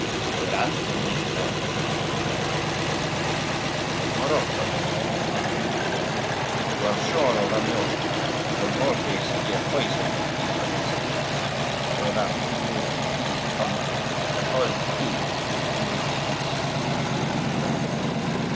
"We will hunt and make love!" cried Gondi. "Moreover," remarked Chiverni, "you are sure of Amyot, who will always fear poison in case of disobedience; so that you and he and Gondi can hold the king in leading strings."